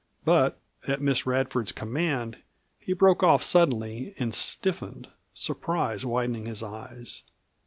But at Miss Radford's command he broke off suddenly and stiffened, surprise widening his eyes.